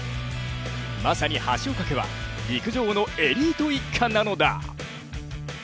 まさに橋岡家は陸上のエリート一家なのだ。